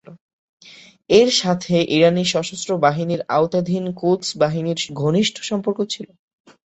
এর সাথে ইরানি সশস্ত্র বাহিনীর আওতাধীন কুদস বাহিনীর ঘনিষ্ঠ সম্পর্ক ছিল।